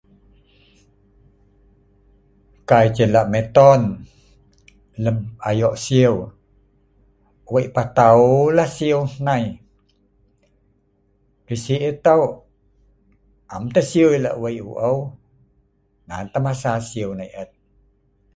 If you want to ask about the weather, the weather is good, sometimes the weather is not really good, sometimes the weather is not good.